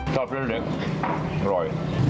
ชอบเส้นเล็กอร่อย